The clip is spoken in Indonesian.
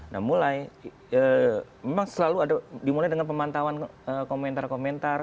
nah mulai memang selalu ada dimulai dengan pemantauan komentar komentar